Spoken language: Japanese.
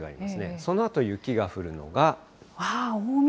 そのあと雪が降るのが。